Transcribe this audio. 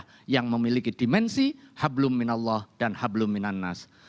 ibadah yang memiliki dimensi habluminallah dan habluminan nas